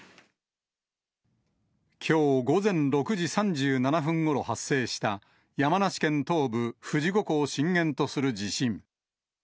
きょう午前６時３７分ごろ発生した山梨県東部、富士五湖を震源とする地震。